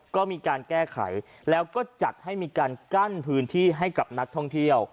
ก็มีการแก้ไขแล้วก็จัดให้มีการกั้นพื้นที่ให้กับนักท่องเที่ยว